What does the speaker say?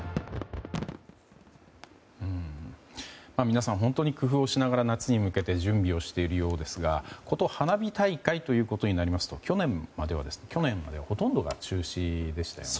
皆さん、本当に工夫をしながら夏に向けて準備をしているようですがこと花火大会ということになりますと去年まではほとんどが中止でしたよね。